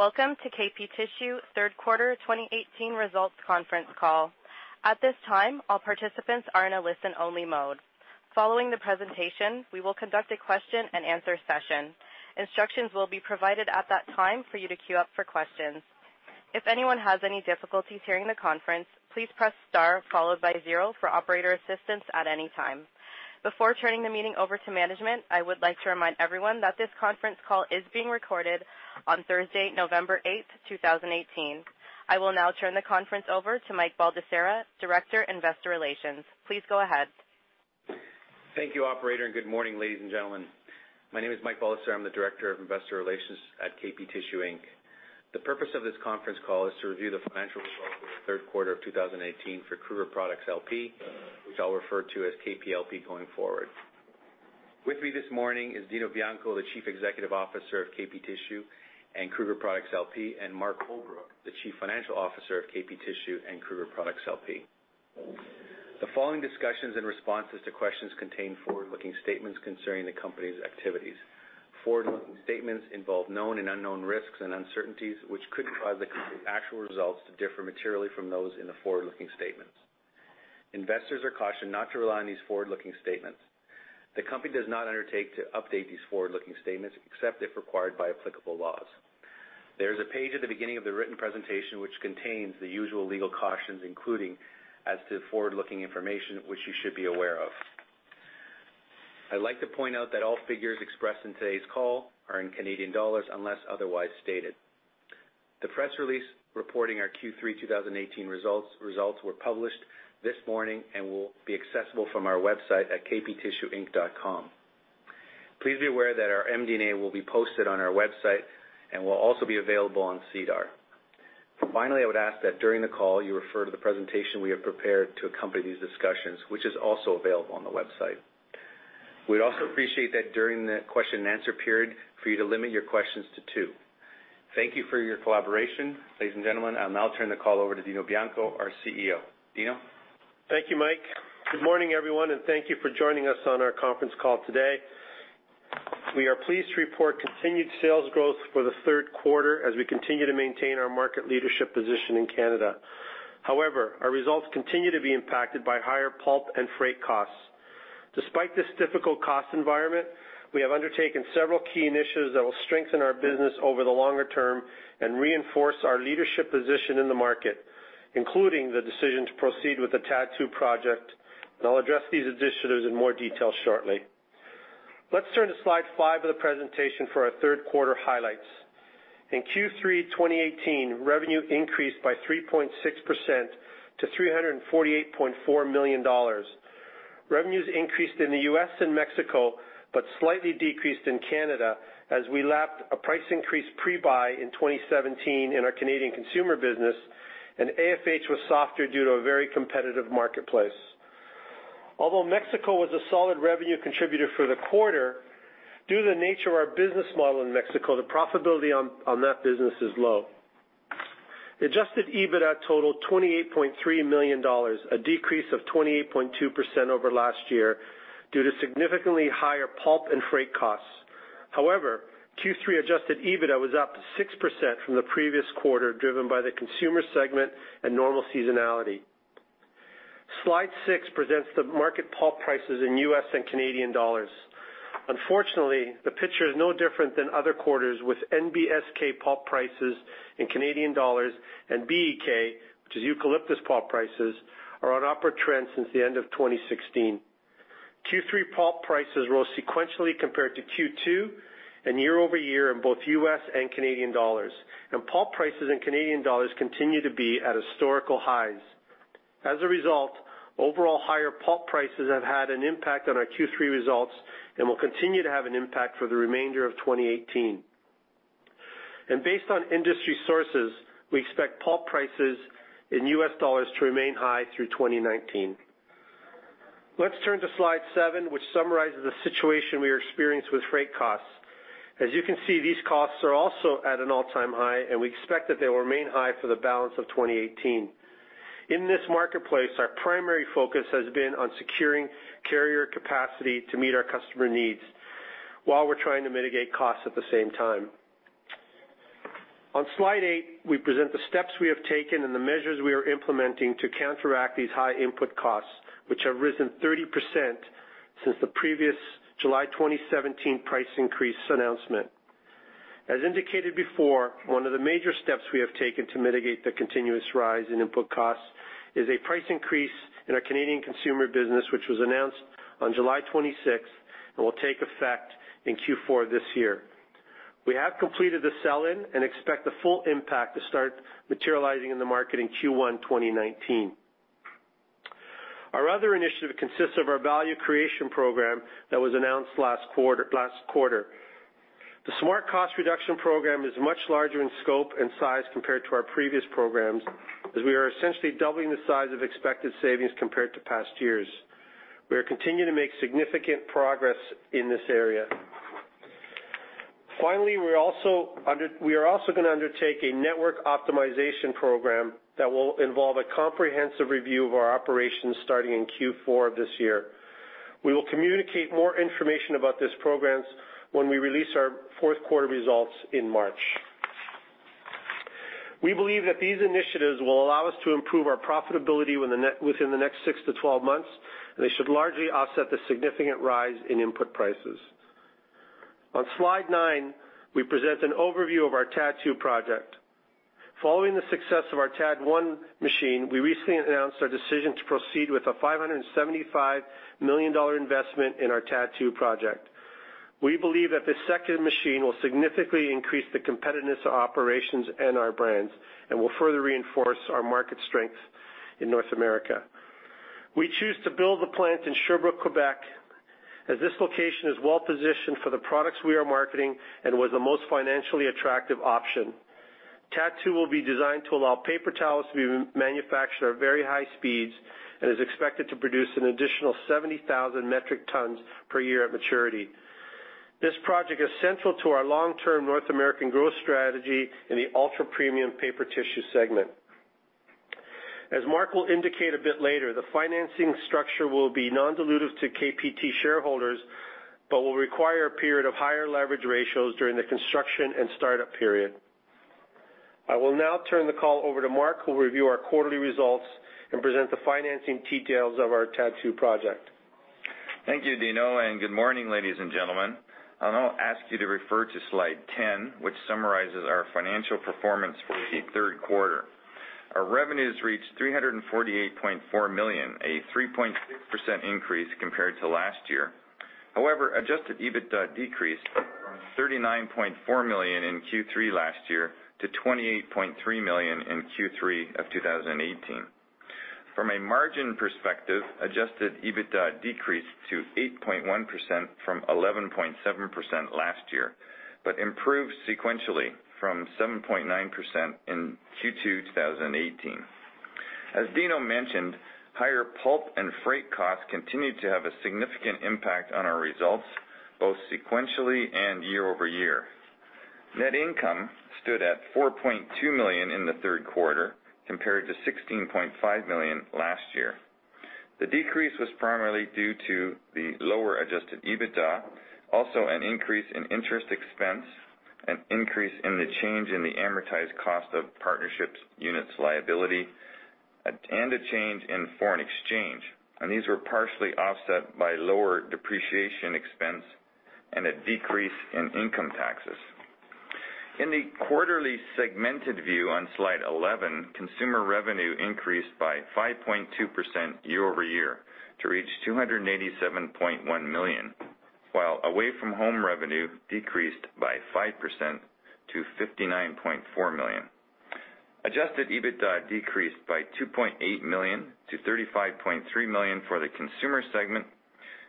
Welcome to KP Tissue Third Quarter 2018 Results Conference Call. At this time, all participants are in a listen-only mode. Following the presentation, we will conduct a question-and-answer session. Instructions will be provided at that time for you to queue up for questions. If anyone has any difficulties hearing the conference, please press star followed by zero for operator assistance at any time. Before turning the meeting over to management, I would like to remind everyone that this conference call is being recorded on Thursday, November 8th, 2018. I will now turn the conference over to Mike Baldesarra, Director of Investor Relations. Please go ahead. Thank you, operator, and good morning, ladies and gentlemen. My name is Mike Baldesarra, I'm the Director of Investor Relations at KP Tissue, Inc. The purpose of this conference call is to review the financial results for the third quarter of 2018 for Kruger Products LP, which I'll refer to as KPLP going forward. With me this morning is Dino Bianco, the Chief Executive Officer of KP Tissue and Kruger Products LP, and Mark Holbrook, the Chief Financial Officer of KP Tissue and Kruger Products LP. The following discussions and responses to questions contain forward-looking statements concerning the company's activities. Forward-looking statements involve known and unknown risks and uncertainties, which could cause the company's actual results to differ materially from those in the forward-looking statements. Investors are cautioned not to rely on these forward-looking statements. The company does not undertake to update these forward-looking statements, except if required by applicable laws. There is a page at the beginning of the written presentation, which contains the usual legal cautions, including as to the forward-looking information, which you should be aware of. I'd like to point out that all figures expressed in today's call are in Canadian dollars, unless otherwise stated. The press release reporting our Q3 2018 results. Results were published this morning and will be accessible from our website at kptissueinc.com. Please be aware that our MD&A will be posted on our website and will also be available on SEDAR. Finally, I would ask that during the call, you refer to the presentation we have prepared to accompany these discussions, which is also available on the website. We'd also appreciate that during the question and answer period, for you to limit your questions to two. Thank you for your collaboration. Ladies and gentlemen, I'll now turn the call over to Dino Bianco, our CEO. Dino? Thank you, Mike. Good morning, everyone, and thank you for joining us on our conference call today. We are pleased to report continued sales growth for the third quarter as we continue to maintain our market leadership position in Canada. However, our results continue to be impacted by higher pulp and freight costs. Despite this difficult cost environment, we have undertaken several key initiatives that will strengthen our business over the longer term and reinforce our leadership position in the market, including the decision to proceed with the TAD2 project, and I'll address these initiatives in more detail shortly. Let's turn to slide five of the presentation for our third quarter highlights. In Q3 2018, revenue increased by 3.6% to 348.4 million dollars. Revenues increased in the US and Mexico, but slightly decreased in Canada as we lapped a price increase pre-buy in 2017 in our Canadian consumer business, and AFH was softer due to a very competitive marketplace. Although Mexico was a solid revenue contributor for the quarter, due to the nature of our business model in Mexico, the profitability on that business is low. Adjusted EBITDA totaled 28.3 million dollars, a decrease of 28.2% over last year due to significantly higher pulp and freight costs. However, Q3 adjusted EBITDA was up 6% from the previous quarter, driven by the consumer segment and normal seasonality. Slide six presents the market pulp prices in U.S. and Canadian dollars. Unfortunately, the picture is no different than other quarters, with NBSK pulp prices in Canadian dollars and BEK, which is eucalyptus pulp prices, are on upward trend since the end of 2016. Q3 pulp prices rose sequentially compared to Q2 and year-over-year in both US and Canadian dollars, and pulp prices in Canadian dollars continue to be at historical highs. As a result, overall higher pulp prices have had an impact on our Q3 results and will continue to have an impact for the remainder of 2018. And based on industry sources, we expect pulp prices in US dollars to remain high through 2019. Let's turn to slide seven, which summarizes the situation we are experiencing with freight costs. As you can see, these costs are also at an all-time high, and we expect that they will remain high for the balance of 2018. In this marketplace, our primary focus has been on securing carrier capacity to meet our customer needs while we're trying to mitigate costs at the same time. On slide eight, we present the steps we have taken and the measures we are implementing to counteract these high input costs, which have risen 30% since the previous July 2017 price increase announcement. As indicated before, one of the major steps we have taken to mitigate the continuous rise in input costs is a price increase in our Canadian consumer business, which was announced on July 26th and will take effect in Q4 this year. We have completed the sell-in and expect the full impact to start materializing in the market in Q1 2019. Our other initiative consists of our value creation program that was announced last quarter, last quarter. The smart cost reduction program is much larger in scope and size compared to our previous programs, as we are essentially doubling the size of expected savings compared to past years. We are continuing to make significant progress in this area. Finally, We are also gonna undertake a network optimization program that will involve a comprehensive review of our operations starting in Q4 of this year.... We will communicate more information about these programs when we release our fourth quarter results in March. We believe that these initiatives will allow us to improve our profitability within the next 6-12 months, and they should largely offset the significant rise in input prices. On Slide nine, we present an overview of our TAD2 project. Following the success of our TAD1 machine, we recently announced our decision to proceed with a 575 million dollar investment in our TAD2 project. We believe that this second machine will significantly increase the competitiveness of operations and our brands, and will further reinforce our market strength in North America. We choose to build the plant in Sherbrooke, Quebec, as this location is well positioned for the products we are marketing and was the most financially attractive option. TAD2 will be designed to allow paper towels to be manufactured at very high speeds and is expected to produce an additional 70,000 metric tons per year at maturity. This project is central to our long-term North American growth strategy in the ultra-premium paper tissue segment. As Mark will indicate a bit later, the financing structure will be non-dilutive to KPT shareholders, but will require a period of higher leverage ratios during the construction and startup period. I will now turn the call over to Mark, who will review our quarterly results and present the financing details of our TAD2 project. Thank you, Dino, and good morning, ladies and gentlemen. I'll now ask you to refer to Slide 10, which summarizes our financial performance for the third quarter. Our revenues reached 348.4 million, a 3.6% increase compared to last year. However, adjusted EBITDA decreased from 39.4 million in Q3 last year to 28.3 million in Q3 of 2018. From a margin perspective, adjusted EBITDA decreased to 8.1% from 11.7% last year, but improved sequentially from 7.9% in Q2, 2018. As Dino mentioned, higher pulp and freight costs continued to have a significant impact on our results, both sequentially and year-over-year. Net income stood at 4.2 million in the third quarter, compared to 16.5 million last year. The decrease was primarily due to the lower Adjusted EBITDA, also an increase in interest expense, an increase in the change in the amortized cost of Partnerships units Liability, at- and a change in foreign exchange. These were partially offset by lower depreciation expense and a decrease in income taxes. In the quarterly segmented view on Slide 11, consumer revenue increased by 5.2% year-over-year to reach 287.1 million, while away from home revenue decreased by 5% to 59.4 million. Adjusted EBITDA decreased by 2.8 million to 35.3 million for the consumer segment,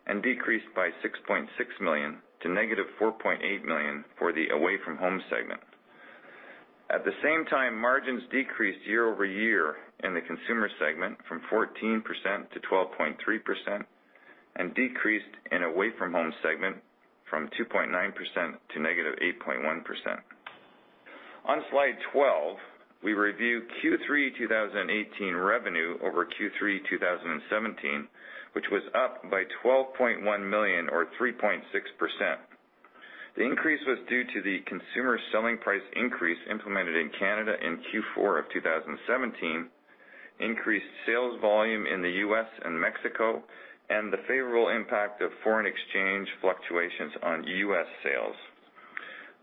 and decreased by 6.6 million to -4.8 million for the away from home segment. At the same time, margins decreased year-over-year in the consumer segment from 14% to 12.3%, and decreased in away from home segment from 2.9% to -8.1%. On Slide 12, we review Q3 2018 revenue over Q3 2017, which was up by 12.1 million or 3.6%. The increase was due to the consumer selling price increase implemented in Canada in Q4 2017, increased sales volume in the U.S. and Mexico, and the favorable impact of foreign exchange fluctuations on U.S. sales.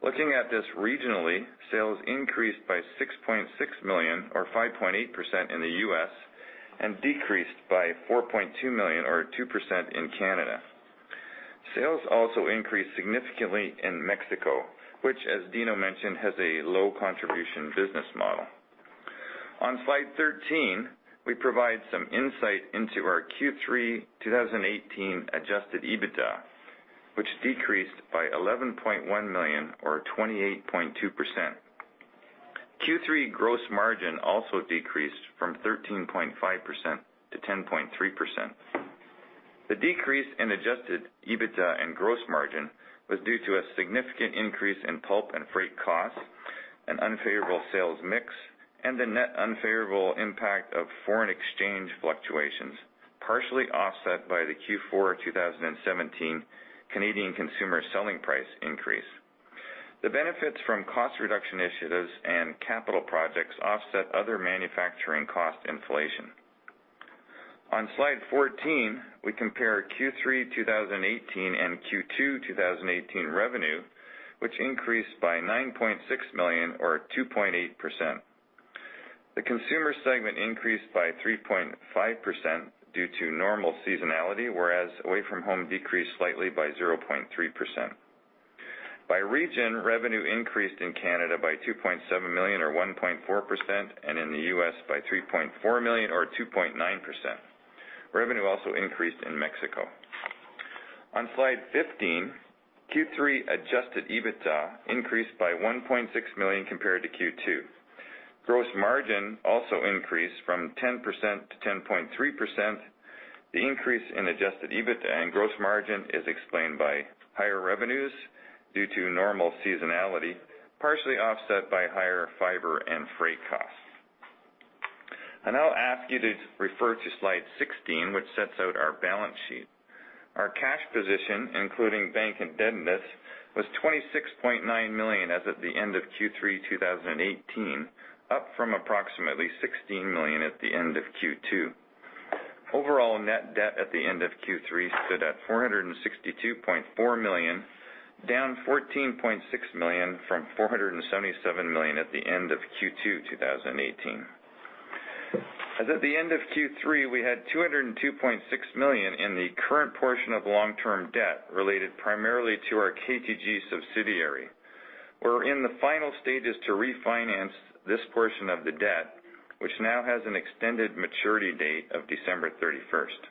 Looking at this regionally, sales increased by 6.6 million or 5.8% in the U.S., and decreased by 4.2 million or 2% in Canada. Sales also increased significantly in Mexico, which, as Dino mentioned, has a low contribution business model. On Slide 13, we provide some insight into our Q3 2018 adjusted EBITDA, which decreased by 11.1 million or 28.2%. Q3 gross margin also decreased from 13.5% to 10.3%. The decrease in adjusted EBITDA and gross margin was due to a significant increase in pulp and freight costs, an unfavorable sales mix, and the net unfavorable impact of foreign exchange fluctuations, partially offset by the Q4 2017 Canadian consumer selling price increase. The benefits from cost reduction initiatives and capital projects offset other manufacturing cost inflation. On Slide 14, we compare Q3 2018 and Q2 2018 revenue, which increased by 9.6 million or 2.8%. The consumer segment increased by 3.5% due to normal seasonality, whereas away from home decreased slightly by 0.3%. By region, revenue increased in Canada by 2.7 million or 1.4%, and in the US by 3.4 million or 2.9%. Revenue also increased in Mexico. On slide 15, Q3 Adjusted EBITDA increased by 1.6 million compared to Q2. Gross margin also increased from 10% to 10.3%. The increase in Adjusted EBITDA and gross margin is explained by higher revenues due to normal seasonality, partially offset by higher fiber and freight costs... I'll ask you to refer to slide 16, which sets out our balance sheet. Our cash position, including bank indebtedness, was 26.9 million as of the end of Q3, 2018, up from approximately 16 million at the end of Q2. Overall, net debt at the end of Q3 stood at 462.4 million, down 14.6 million from 477 million at the end of Q2, 2018. As at the end of Q3, we had 202.6 million in the current portion of long-term debt related primarily to our KTG subsidiary. We're in the final stages to refinance this portion of the debt, which now has an extended maturity date of December 31st.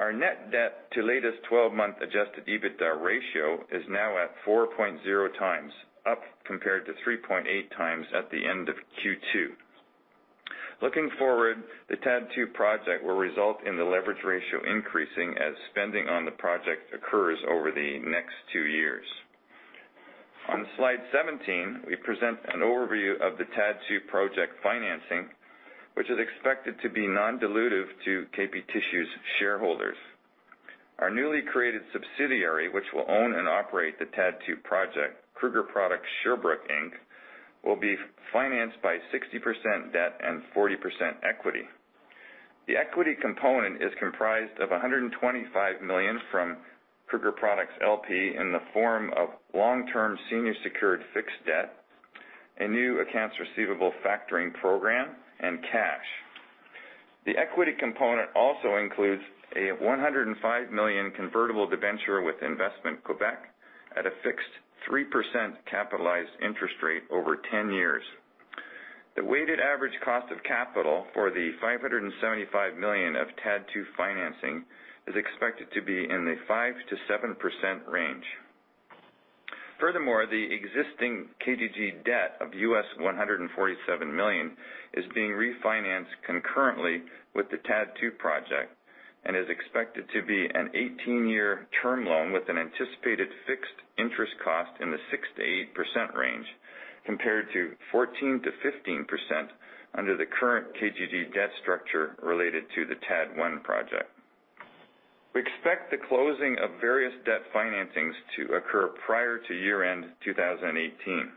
Our net debt to latest twelve-month Adjusted EBITDA ratio is now at 4.0 times, up compared to 3.8 times at the end of Q2. Looking forward, the TAD2 project will result in the leverage ratio increasing as spending on the project occurs over the next 2 years. On slide 17, we present an overview of the TAD2 project financing, which is expected to be non-dilutive to KP Tissue's shareholders. Our newly created subsidiary, which will own and operate the TAD2 project, Kruger Products Sherbrooke Inc., will be financed by 60% debt and 40% equity. The equity component is comprised of 125 million from Kruger Products LP in the form of long-term senior secured fixed debt, a new accounts receivable factoring program, and cash. The equity component also includes a 105 million convertible debenture with Investissement Québec at a fixed 3% capitalized interest rate over 10 years. The weighted average cost of capital for the 575 million of TAD2 financing is expected to be in the 5%-7% range. Furthermore, the existing KTG debt of $147 million is being refinanced concurrently with the TAD2 project and is expected to be an 18-year term loan with an anticipated fixed interest cost in the 6%-8% range, compared to 14%-15% under the current KTG debt structure related to the TAD1 project. We expect the closing of various debt financings to occur prior to year-end 2018.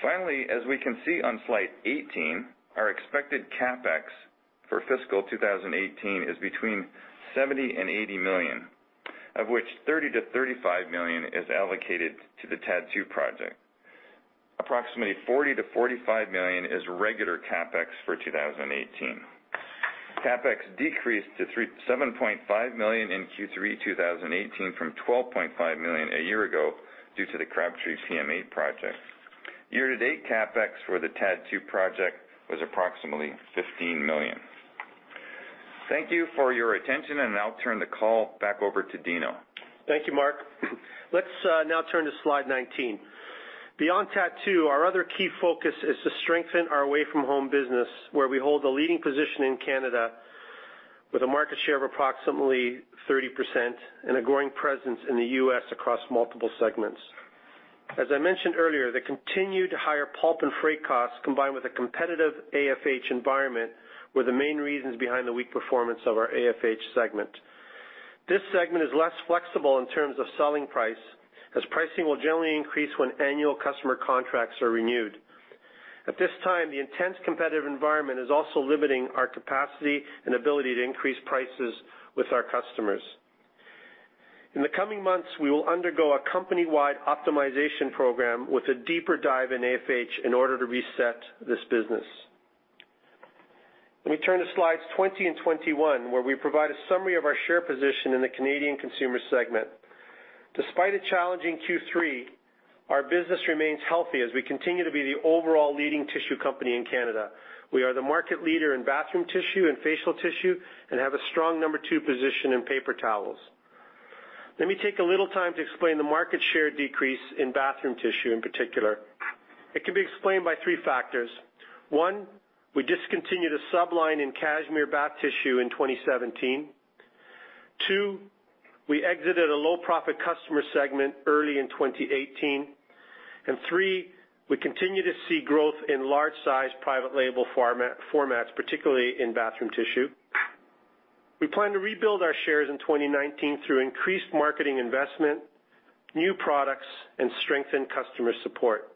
Finally, as we can see on slide 18, our expected CapEx for fiscal 2018 is between 70 million and 80 million, of which 30 million-35 million is allocated to the TAD2 project. Approximately 40 million-45 million is regular CapEx for 2018. CapEx decreased to 37.5 million in Q3 2018 from 12.5 million a year ago, due to the Crabtree TMA project. Year-to-date CapEx for the TAD2 project was approximately 15 million. Thank you for your attention, and I'll turn the call back over to Dino. Thank you, Mark. Let's now turn to slide 19. Beyond TAD2, our other key focus is to strengthen our away-from-home business, where we hold a leading position in Canada with a market share of approximately 30% and a growing presence in the U.S. across multiple segments. As I mentioned earlier, the continued higher pulp and freight costs, combined with a competitive AFH environment, were the main reasons behind the weak performance of our AFH segment. This segment is less flexible in terms of selling price, as pricing will generally increase when annual customer contracts are renewed. At this time, the intense competitive environment is also limiting our capacity and ability to increase prices with our customers. In the coming months, we will undergo a company-wide optimization program with a deeper dive in AFH in order to reset this business. Let me turn to slides 20 and 21, where we provide a summary of our share position in the Canadian consumer segment. Despite a challenging Q3, our business remains healthy as we continue to be the overall leading tissue company in Canada. We are the market leader in bathroom tissue and facial tissue, and have a strong number two position in paper towels. Let me take a little time to explain the market share decrease in bathroom tissue in particular. It can be explained by three factors. One, we discontinued a sub-line in Cashmere bath tissue in 2017. Two, we exited a low-profit customer segment early in 2018. And three, we continue to see growth in large-sized, private label format, formats, particularly in bathroom tissue. We plan to rebuild our shares in 2019 through increased marketing investment, new products, and strengthened customer support.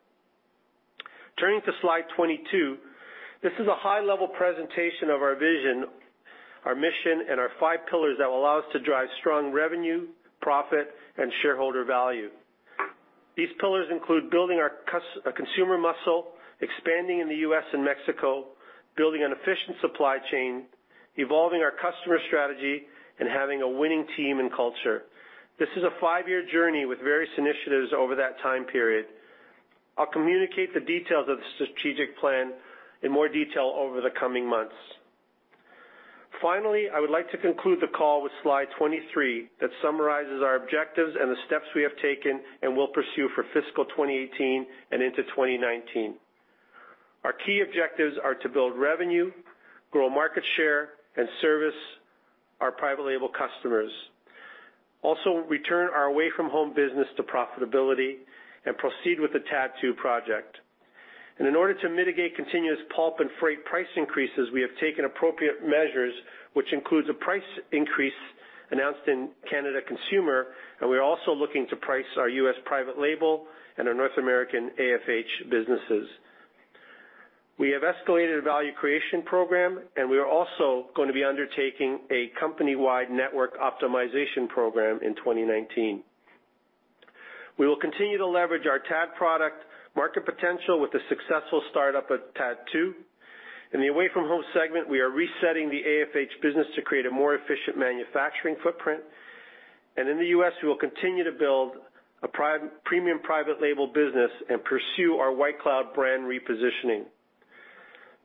Turning to slide 22, this is a high-level presentation of our vision, our mission, and our five pillars that will allow us to drive strong revenue, profit, and shareholder value. These pillars include building our consumer muscle, expanding in the U.S. and Mexico, building an efficient supply chain, evolving our customer strategy, and having a winning team and culture. This is a five-year journey with various initiatives over that time period. I'll communicate the details of the strategic plan in more detail over the coming months. Finally, I would like to conclude the call with slide 23 that summarizes our objectives and the steps we have taken and will pursue for fiscal 2018 and into 2019. Our key objectives are to build revenue, grow market share, and service our private label customers... also return our away-from-home business to profitability and proceed with the TAD2 project. In order to mitigate continuous pulp and freight price increases, we have taken appropriate measures, which includes a price increase announced in Canada Consumer, and we're also looking to price our US private label and our North American AFH businesses. We have escalated a value creation program, and we are also going to be undertaking a company-wide network optimization program in 2019. We will continue to leverage our TAD product market potential with the successful startup of TAD2. In the away-from-home segment, we are resetting the AFH business to create a more efficient manufacturing footprint. And in the US, we will continue to build a premium private label business and pursue our White Cloud brand repositioning.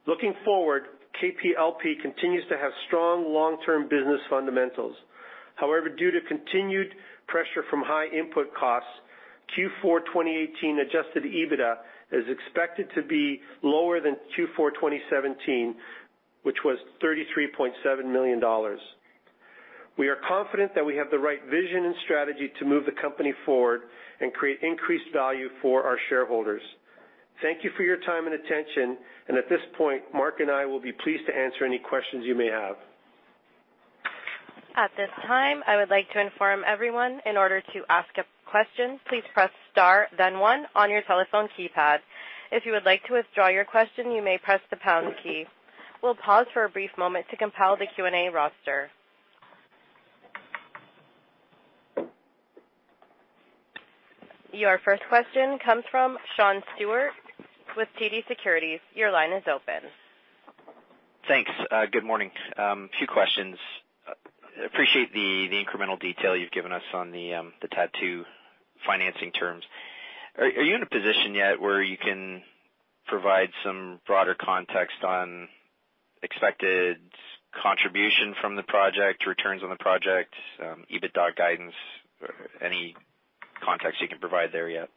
Looking forward, KPLP continues to have strong long-term business fundamentals. However, due to continued pressure from high input costs, Q4 2018 Adjusted EBITDA is expected to be lower than Q4 2017, which was 33.7 million dollars. We are confident that we have the right vision and strategy to move the company forward and create increased value for our shareholders. Thank you for your time and attention, and at this point, Mark and I will be pleased to answer any questions you may have. At this time, I would like to inform everyone in order to ask a question, please press star then one on your telephone keypad. If you would like to withdraw your question, you may press the pound key. We'll pause for a brief moment to compile the Q&A roster. Your first question comes from Sean Steuart with TD Securities. Your line is open. Thanks. Good morning. A few questions. Appreciate the, the incremental detail you've given us on the, the TAD2 financing terms. Are, are you in a position yet where you can provide some broader context on expected contribution from the project, returns on the project, EBITDA guidance, any context you can provide there yet?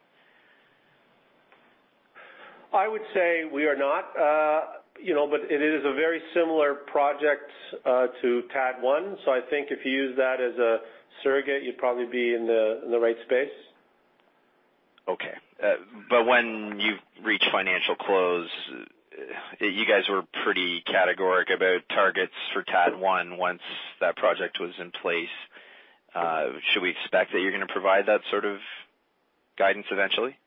I would say we are not, you know, but it is a very similar project to TAD1. So I think if you use that as a surrogate, you'd probably be in the right space. Okay. But when you've reached financial close, you guys were pretty categoric about targets for TAD1 once that project was in place. Should we expect that you're going to provide that sort of guidance eventually? Hi,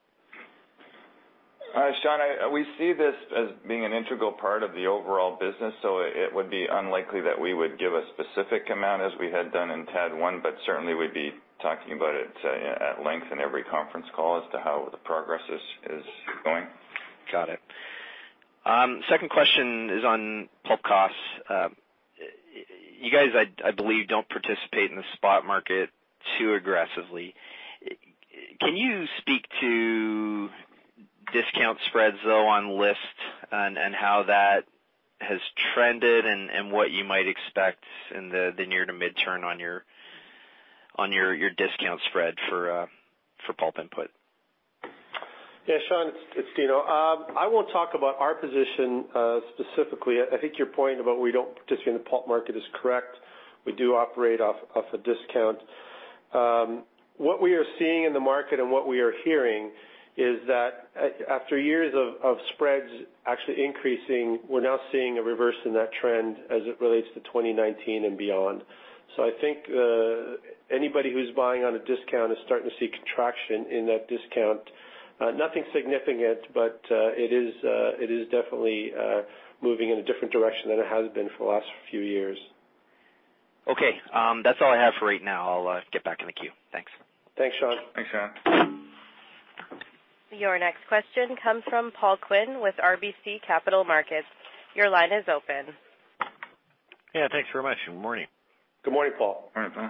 Sean. We see this as being an integral part of the overall business, so it would be unlikely that we would give a specific amount as we had done in TAD1, but certainly we'd be talking about it at length in every conference call as to how the progress is going. Got it. Second question is on pulp costs. You guys, I believe, don't participate in the spot market too aggressively. Can you speak to discount spreads, though, on list and how that has trended and what you might expect in the near to mid-term on your discount spread for pulp input? Yeah, Sean, it's Dino. I won't talk about our position specifically. I think your point about we don't participate in the pulp market is correct. We do operate off a discount. What we are seeing in the market and what we are hearing is that after years of spreads actually increasing, we're now seeing a reverse in that trend as it relates to 2019 and beyond. So I think anybody who's buying on a discount is starting to see contraction in that discount. Nothing significant, but it is definitely moving in a different direction than it has been for the last few years. Okay, that's all I have for right now. I'll get back in the queue. Thanks. Thanks, Sean. Thanks, Sean. Your next question comes from Paul Quinn with RBC Capital Markets. Your line is open. Yeah, thanks very much. Good morning. Good morning, Paul. Morning, Paul.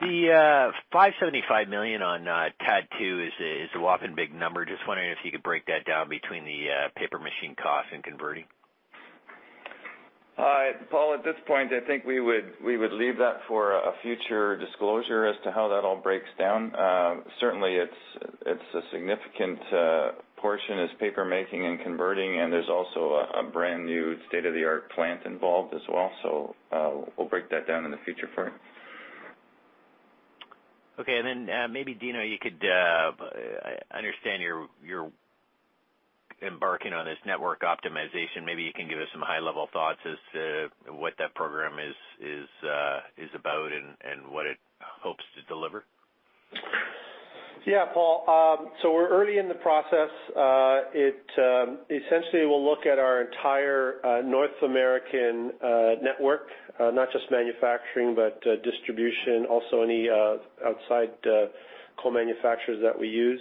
The 575 million on TAD2 is a whopping big number. Just wondering if you could break that down between the paper machine cost and converting. Paul, at this point, I think we would leave that for a future disclosure as to how that all breaks down. Certainly, it's a significant portion is paper making and converting, and there's also a brand new state-of-the-art plant involved as well. So, we'll break that down in the future for you. Okay. And then, maybe, Dino, you could, I understand you're embarking on this network optimization. Maybe you can give us some high-level thoughts as to what that program is about and what it hopes to deliver. Yeah, Paul. So we're early in the process. Essentially, we'll look at our entire North American network, not just manufacturing, but distribution, also any outside co-manufacturers that we use.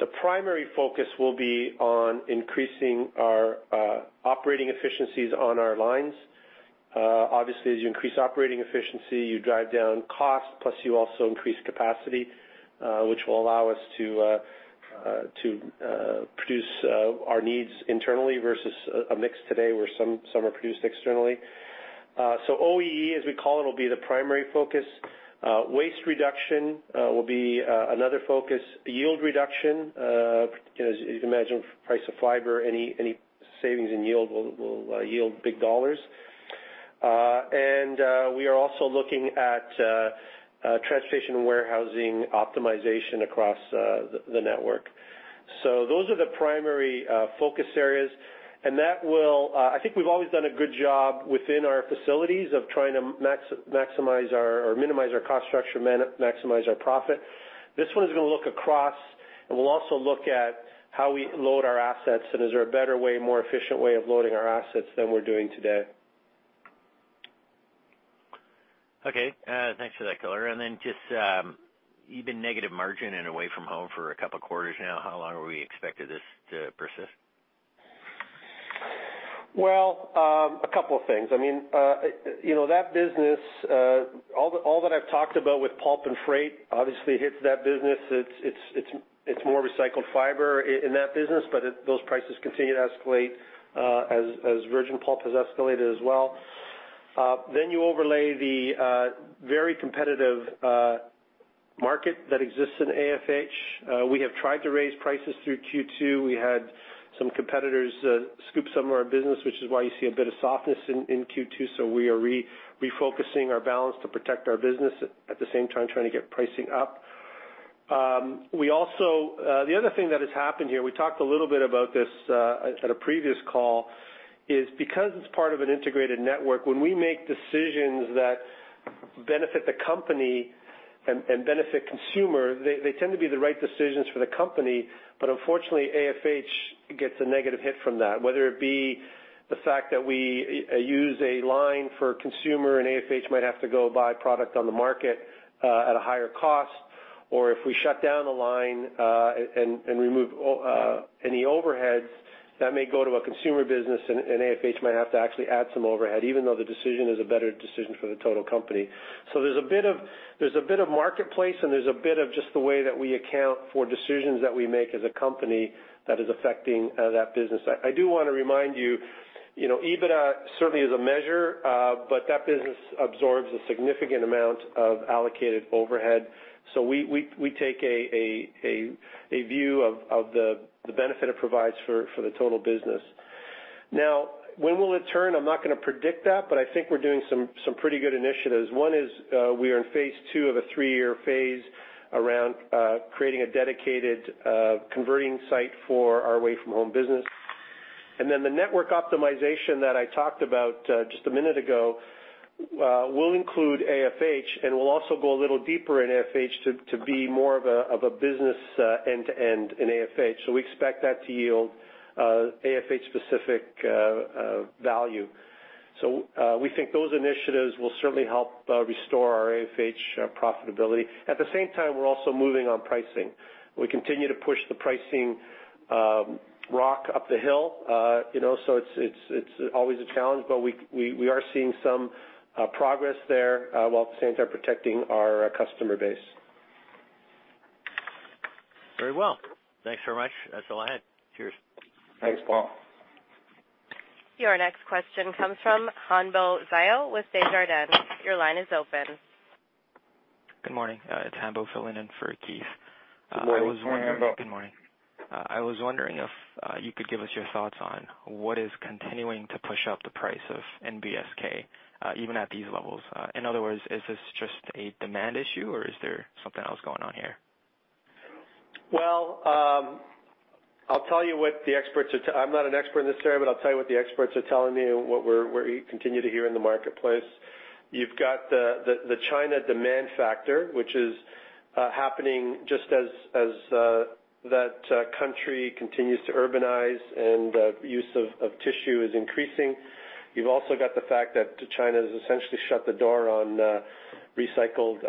The primary focus will be on increasing our operating efficiencies on our lines. Obviously, as you increase operating efficiency, you drive down costs, plus you also increase capacity, which will allow us to produce our needs internally versus a mix today, where some are produced externally. So OEE, as we call it, will be the primary focus. Waste reduction will be another focus. Yield reduction, as you can imagine, price of fiber, any savings in yield will yield big dollars. And we are also looking at transportation and warehousing optimization across the network. So those are the primary focus areas, and that will, I think we've always done a good job within our facilities of trying to maximize or minimize our cost structure, maximize our profit. This one is gonna look across, and we'll also look at how we load our assets, and is there a better way, more efficient way of loading our assets than we're doing today? Okay. Thanks for that color. And then just, even negative margin and away from home for a couple quarters now, how long are we expected this to persist? Well, a couple of things. I mean, you know, that business, all that I've talked about with pulp and freight obviously hits that business. It's more recycled fiber in that business, but those prices continue to escalate, as virgin pulp has escalated as well. Then you overlay the very competitive market that exists in AFH. We have tried to raise prices through Q2. We had some competitors scoop some of our business, which is why you see a bit of softness in Q2, so we are refocusing our balance to protect our business, at the same time, trying to get pricing up. We also, the other thing that has happened here, we talked a little bit about this at a previous call, is because it's part of an integrated network, when we make decisions that benefit the company and benefit consumer, they tend to be the right decisions for the company, but unfortunately, AFH gets a negative hit from that, whether it be the fact that we use a line for a consumer, and AFH might have to go buy product on the market at a higher cost, or if we shut down a line and remove any overheads, that may go to a consumer business, and AFH might have to actually add some overhead, even though the decision is a better decision for the total company. So there's a bit of, there's a bit of marketplace, and there's a bit of just the way that we account for decisions that we make as a company that is affecting that business. I do wanna remind you, you know, EBITDA certainly is a measure, but that business absorbs a significant amount of allocated overhead. So we take a view of the benefit it provides for the total business. Now, when will it turn? I'm not gonna predict that, but I think we're doing some pretty good initiatives. One is, we are in phase two of a three-year phase around creating a dedicated converting site for our away from home business. And then the network optimization that I talked about, just a minute ago, will include AFH and will also go a little deeper in AFH to be more of a business end-to-end in AFH. So we expect that to yield AFH-specific value. So, we think those initiatives will certainly help restore our AFH profitability. At the same time, we're also moving on pricing. We continue to push the pricing rock up the hill, you know, so it's always a challenge, but we are seeing some progress there while at the same time protecting our customer base. Very well. Thanks very much. That's all I had. Cheers. Thanks, Paul. Your next question comes from Hanbo Xiao with Desjardins. Your line is open. Good morning. It's Hanbo filling in for Keith. Good morning, Hanbo. Good morning. I was wondering if you could give us your thoughts on what is continuing to push up the price of NBSK, even at these levels. In other words, is this just a demand issue, or is there something else going on here? Well, I'll tell you what the experts are—I'm not an expert in this area, but I'll tell you what the experts are telling me and what we're continuing to hear in the marketplace. You've got the China demand factor, which is happening just as that country continues to urbanize and use of tissue is increasing. You've also got the fact that China has essentially shut the door on recycled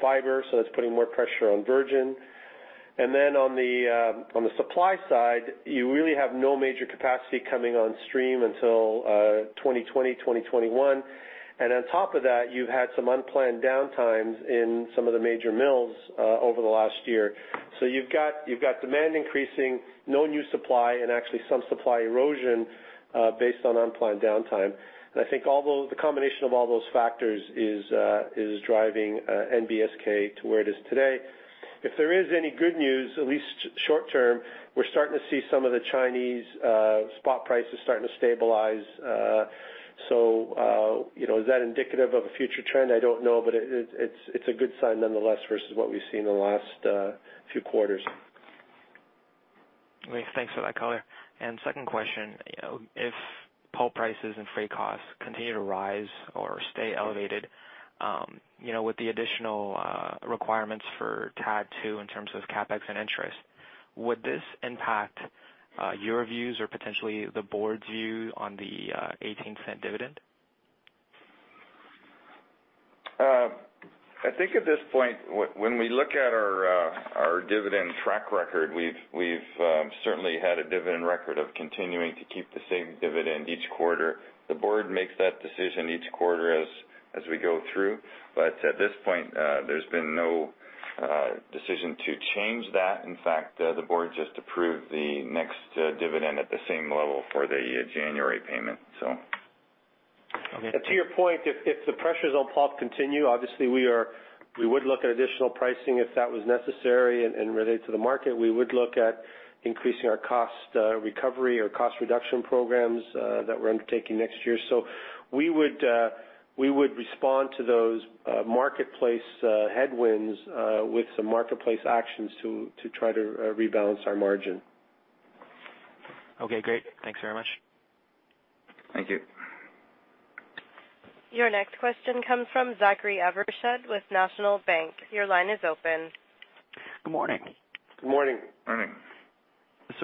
fiber, so that's putting more pressure on virgin. And then on the supply side, you really have no major capacity coming on stream until 2020, 2021. And on top of that, you've had some unplanned downtimes in some of the major mills over the last year. So you've got, you've got demand increasing, no new supply, and actually some supply erosion based on unplanned downtime. And I think all those—the combination of all those factors is driving NBSK to where it is today. If there is any good news, at least short term, we're starting to see some of the Chinese spot prices starting to stabilize. So, you know, is that indicative of a future trend? I don't know, but it, it's, it's a good sign nonetheless, versus what we've seen in the last few quarters. Great. Thanks for that color. Second question, if pulp prices and freight costs continue to rise or stay elevated, you know, with the additional requirements for TAD2 in terms of CapEx and interest, would this impact your views or potentially the board's view on the 0.18 dividend? I think at this point, when we look at our dividend track record, we've certainly had a dividend record of continuing to keep the same dividend each quarter. The board makes that decision each quarter as we go through, but at this point, there's been no decision to change that. In fact, the board just approved the next dividend at the same level for the January payment, so. To your point, if the pressures on pulp continue, obviously we would look at additional pricing if that was necessary and related to the market. We would look at increasing our cost recovery or cost reduction programs that we're undertaking next year. We would respond to those marketplace headwinds with some marketplace actions to try to rebalance our margin. Okay, great. Thanks very much. Thank you. Your next question comes from Zachary Evershed with National Bank. Your line is open. Good morning. Good morning. Morning.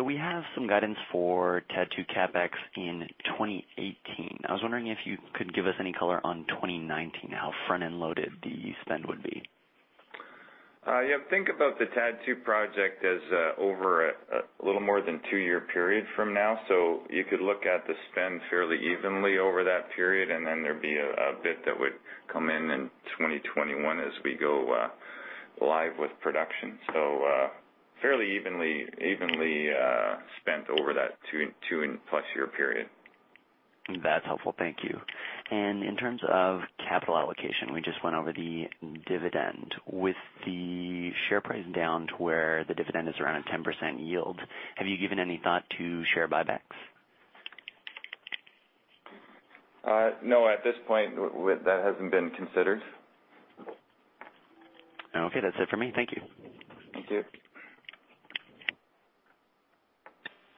We have some guidance for TAD2 CapEx in 2018. I was wondering if you could give us any color on 2019, how front-end loaded the spend would be? Yeah, think about the TAD2 project as over a little more than 2-year period from now. So you could look at the spend fairly evenly over that period, and then there'd be a bit that would come in in 2021 as we go live with production. So fairly evenly spent over that two and plus year period. That's helpful. Thank you. In terms of capital allocation, we just went over the dividend. With the share price down to where the dividend is around a 10% yield, have you given any thought to share buybacks? No, at this point, that hasn't been considered. Okay. That's it for me. Thank you. Thank you.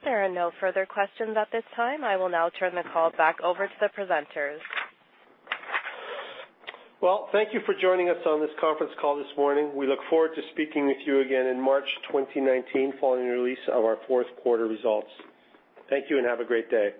There are no further questions at this time. I will now turn the call back over to the presenters. Well, thank you for joining us on this conference call this morning. We look forward to speaking with you again in March 2019, following the release of our fourth quarter results. Thank you, and have a great day.